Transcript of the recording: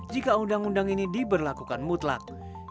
jika undang undang ini diberlakukan mutlak